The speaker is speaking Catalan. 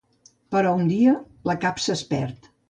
Però, un dia, la capsa es perd.